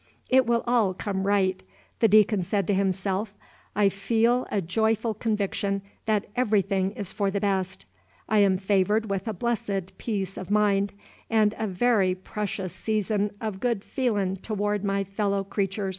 "It will all come right," the Deacon said to himself, "I feel a joyful conviction that everything is for the best. I am favored with a blessed peace of mind, and a very precious season of good feelin' toward my fellow creturs."